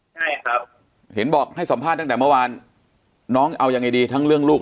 ใช่ครับเห็นบอกให้สัมภาษณ์ตั้งแต่เมื่อวานน้องเอายังไงดีทั้งเรื่องลูก